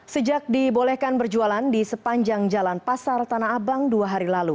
sejak dibolehkan berjualan di sepanjang jalan pasar tanah abang dua hari lalu